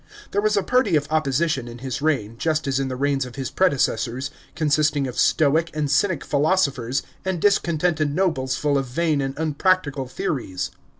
Tb re was a party of opposition in his reign, just as in the reigns of his predecessors, consisting of Stoic and Cynic philosophers and discontented nobles full of vain and unpractical theories.